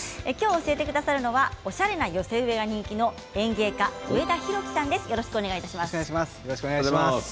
教えてくださるのはおしゃれな寄せ植えが人気の園芸家、上田広樹さんです。